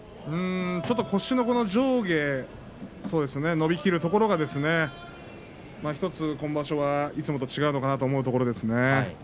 腰の上下伸び切るところが１つ今場所はいつもと違うなかと思うところですね。